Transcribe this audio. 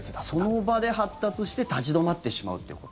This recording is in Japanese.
その場で発達して立ち止まってしまうということ？